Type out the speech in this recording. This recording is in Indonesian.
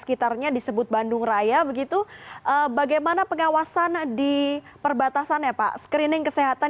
sekitarnya disebut bandung raya begitu bagaimana pengawasan di perbatasan ya pak screening kesehatan